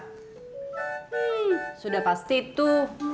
hmm sudah pasti tuh